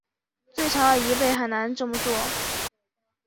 年长的一辈很难这么做